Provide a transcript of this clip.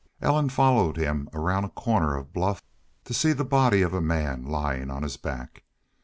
Ellen followed him around a corner of bluff to see the body of a man lying on his back.